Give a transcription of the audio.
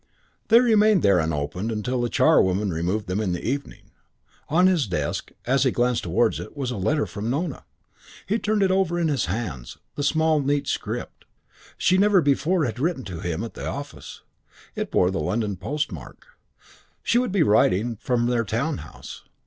They remained there unopened till the charwoman removed them in the evening. On his desk, as he glanced towards it, was a letter from Nona. He turned it over in his hands the small neat script. She never before had written to him at the office. It bore the London postmark. She would be writing from their town house.